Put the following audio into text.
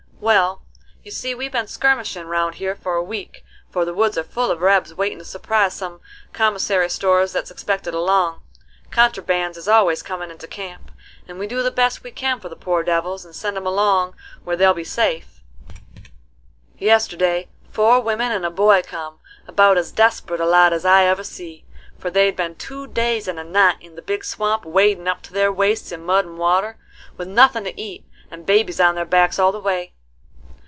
"Well, you see we've been skirmishin' round here for a week, for the woods are full of rebs waitin' to surprise some commissary stores that's expected along. Contrabands is always comin' into camp, and we do the best we can for the poor devils, and send 'em along where they'll be safe. Yesterday four women and a boy come: about as desperate a lot as I ever see; for they'd been two days and a night in the big swamp, wadin' up to their waists in mud and water, with nothin' to eat, and babies on their backs all the way.